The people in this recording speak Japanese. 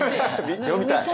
読みたい。